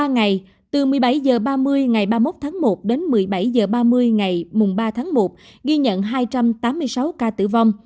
ba ngày từ một mươi bảy h ba mươi ngày ba mươi một tháng một đến một mươi bảy h ba mươi ngày ba tháng một ghi nhận hai trăm tám mươi sáu ca tử vong